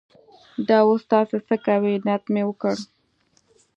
دا اوس تاسې څه کوئ؟ نیت مې وکړ.